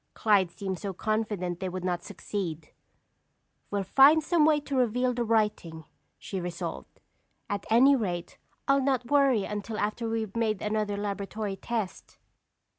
Clyde seemed so confident they would not succeed. "We'll find some way to reveal the writing!" she resolved. "At any rate, I'll not worry until after we've made another laboratory test."